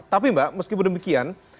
tapi mbak meskipun demikian